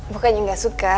bukannya gak suka